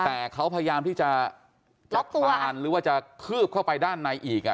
แต่เค้าพยายามที่จะล็อกตัวหรือว่าจะขืบเข้าไปด้านในอีกอ่ะ